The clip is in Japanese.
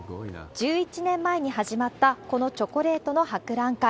１１年前に始まったこのチョコレートの博覧会。